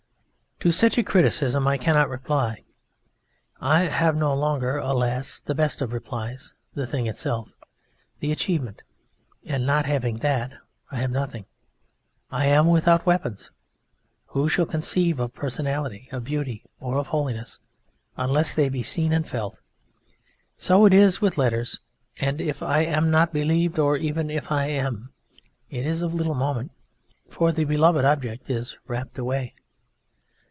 To such a criticism I cannot reply, I have no longer, alas! the best of replies, the Thing Itself, the Achievement: and not having that I have nothing. I am without weapons. Who shall convince of personality, of beauty, or of holiness, unless they be seen and felt? So it is with letters, and if I am not believed or even if I am it is of little moment, for the beloved object is rapt away.